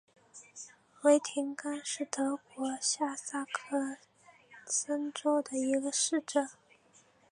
维廷根是德国下萨克森州的一个市镇。